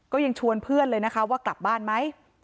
ก็ยังชวนเพื่อนเลยนะคะว่ากลับบ้านไหม